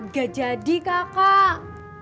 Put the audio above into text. gak jadi kakak